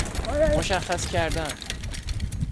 مشخص کردن